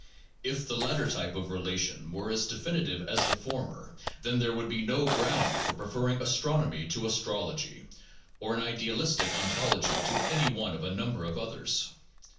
If the latter type of relation were as definitive as the former, then there would be no ground for prefer ring astronomy to astrology, or an idealistic ontology to any one of a number of others.